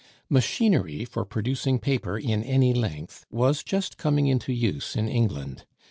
Machinery for producing paper in any length was just coming into use in England.